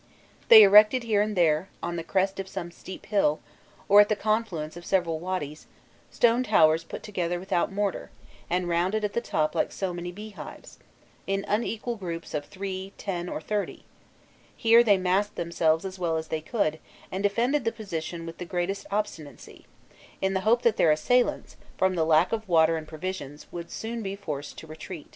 They erected here and there, on the crest of some steep hill, or at the confluence of several wadys, stone towers put together without mortar, and rounded at the top like so many beehives, in unequal groups of three, ten, or thirty; here they massed themselves as well as they could, and defended the position with the greatest obstinacy, in the hope that their assailants, from the lack of water and provisions, would soon be forced to retreat.